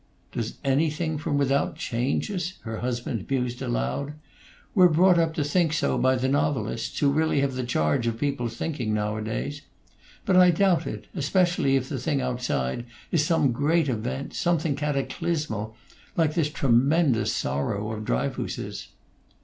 "Does anything from without change us?" her husband mused aloud. "We're brought up to think so by the novelists, who really have the charge of people's thinking, nowadays. But I doubt it, especially if the thing outside is some great event, something cataclysmal, like this tremendous sorrow of Dryfoos's."